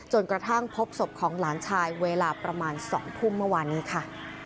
กระทั่งพบศพของหลานชายเวลาประมาณ๒ทุ่มเมื่อวานนี้ค่ะ